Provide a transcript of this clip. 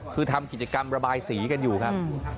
คือทำกิจกรรมระบายสีกันอยู่ครับ